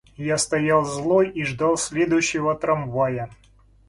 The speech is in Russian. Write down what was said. Я стоял злой и ждал следующего трамвая.